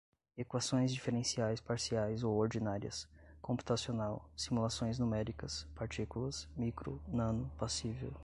equações diferenciais parciais ou ordinárias, computacional, simulações numéricas, partículas, micro, nano, passível